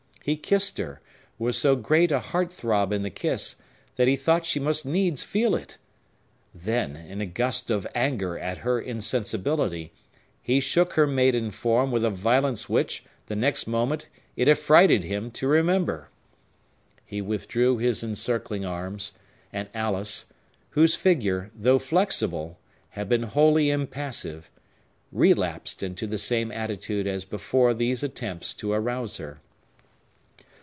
He kissed her, with so great a heart throb in the kiss, that he thought she must needs feel it. Then, in a gust of anger at her insensibility, he shook her maiden form with a violence which, the next moment, it affrighted him to remember. He withdrew his encircling arms, and Alice—whose figure, though flexible, had been wholly impassive—relapsed into the same attitude as before these attempts to arouse her.